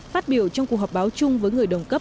phát biểu trong cuộc họp báo chung với người đồng cấp